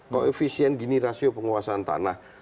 koefisien gini rasio penguasaan tanah